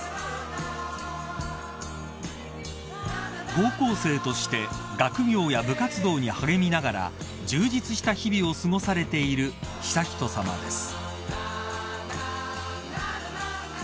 ［高校生として学業や部活動に励みながら充実した日々を過ごされている悠仁さまです］